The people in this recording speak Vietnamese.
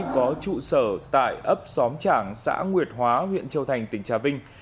có trụ sở tại ấp xóm trảng xã nguyệt hóa huyện châu thành tỉnh trà vinh